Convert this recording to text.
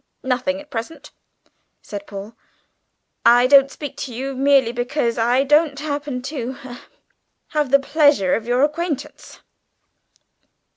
"Nothing at present," said Paul. "I don't speak to you merely because I don't happen to have the ah pleasure of your acquaintance."